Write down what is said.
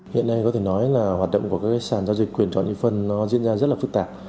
hiện nay có thể nói là hoạt động của các sản giao dịch quyền chọn nhị phân nó diễn ra rất là phức tạp